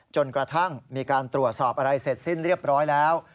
จนกระทั่งมีการตรวจสอบอะไรเสร็จสิ้นเรียบร้อยแล้ว